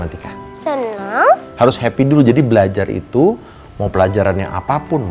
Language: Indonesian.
taruh dimana ya